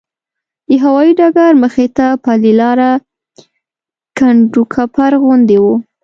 د هوایي ډګر مخې ته پلې لاره کنډوکپر غوندې وه.